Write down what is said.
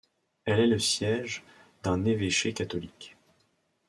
Elle est le siège d'un évêché catholique.